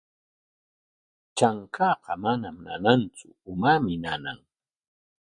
Trankaaqa manam nanantsu, umaami nana.